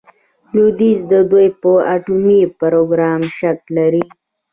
لویدیځ د دوی په اټومي پروګرام شک لري.